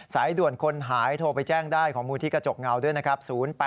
สายด่วนคนหายโทรไปแจ้งได้ของมูลที่กระจกเงาด้วยนะครับ